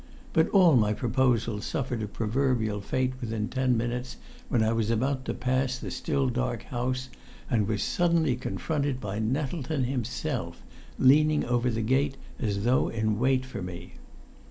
But all my proposals suffered a proverbial fate within ten minutes, when I was about to pass the still dark house, and was suddenly confronted by Nettleton himself, leaning over the gate as though in wait for me.